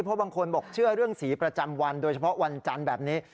เพราะบางคนบอกเชื่อเรื่องสีประจำวันโดยเฉพาะวันจันทร์แบบนี้